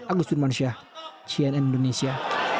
agus dunmansyah cnn indonesia